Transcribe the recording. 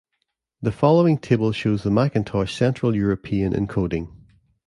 The following table shows the Macintosh Central European encoding.